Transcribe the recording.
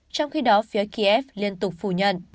trong khi đó phía kiev liên tục phủ nhận